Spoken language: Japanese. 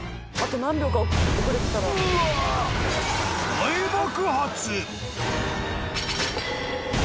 ［大爆発！］